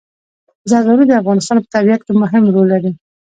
زردالو د افغانستان په طبیعت کې مهم رول لري.